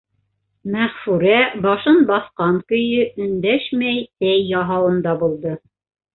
Мәғфүрә башын баҫҡан көйө өндәшмәй сәй яһауында булды.